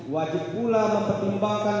wajib pula mempertimbangkan